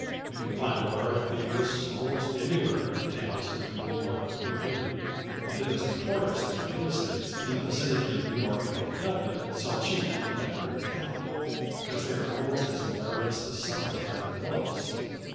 You can find malarial fevers almost anywhere in the towns between New York and New Haven; and it is notorious that many estates in the vicinity of New York and Philadelphia sell cheap on that very account, because they are almost as malarious as some Italian villas.